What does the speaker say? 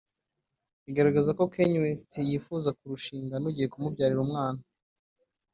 igaragaza ko Kanye West yifuza kurushinga n’ugiye kumubyarira umwana